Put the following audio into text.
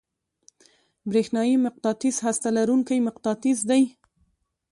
برېښنايي مقناطیس هسته لرونکی مقناطیس دی.